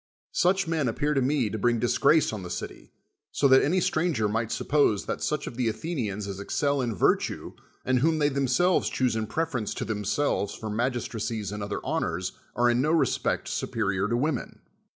Such men appejir to me to bring dis grace on the cit\\ so <!;at imv stranger might THE WORLD'S FAMOUS ORATIONS suppose that such of the Athenians as excel in virtue, and whom they themselves choose in preference to themselves for magistracies and other honors, are in no respect superior to women.